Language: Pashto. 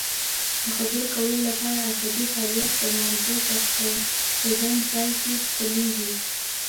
د خبرو کولو لپاره عصبي فعالیت د مغزو په خوځند ځای کې پیلیږي